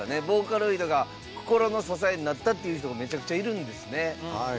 ボーカロイドが心の支えになったっていう人がめちゃくちゃいるんですね。